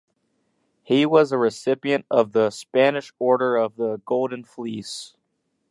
He was a recipient of the Spanish Order of the Golden Fleece.